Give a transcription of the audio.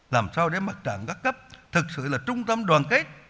làm sao để mặt trận các cấp thực sự là trung tâm đoàn kết